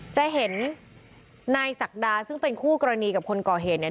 จะเห็นนายศักดาซึ่งเป็นคู่กรณีกับคนก่อเหตุเนี่ย